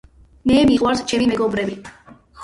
მე მიყვარს ჩემი მეგობრები